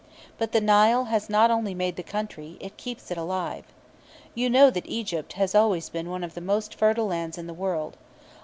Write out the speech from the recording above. But the Nile has not only made the country; it keeps it alive. You know that Egypt has always been one of the most fertile lands in the world.